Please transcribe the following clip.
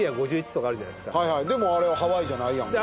でもあれはハワイじゃないやんか。